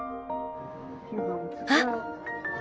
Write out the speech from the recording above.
あっ！